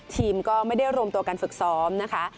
ทีมก็ไม่ได้รวมตัวกันฝึกซ้อมนะคะ